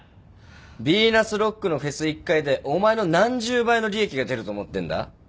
ビーナスロックのフェス１回でお前の何十倍の利益が出ると思ってんだ？